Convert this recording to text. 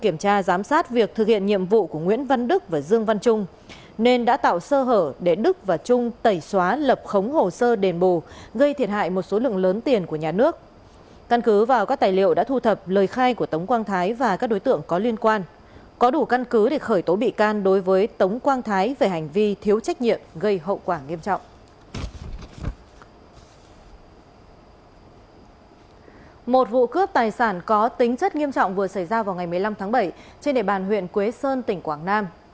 một vụ cướp tài sản có tính chất nghiêm trọng vừa xảy ra vào ngày một mươi năm tháng bảy trên đề bàn huyện quế sơn tỉnh quảng nam